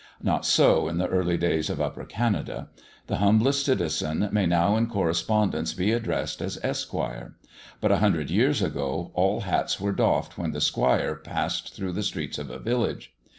Not so in the early days of Upper Canada. The humblest citizen may now in correspondence be addressed as "Esquire"; but, a hundred years ago, all hats were doffed when the "Squire" passed through the streets of a village.